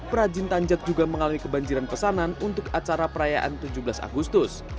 perajin tanjak juga mengalami kebanjiran pesanan untuk acara perayaan tujuh belas agustus